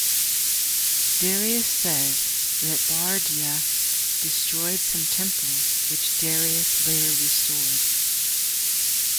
Darius says that Bardiya destroyed some temples, which Darius later restored.